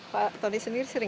pak tony sendiri sering